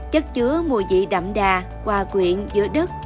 chất chứa mùi vị đậm đà hòa quyện giữa đức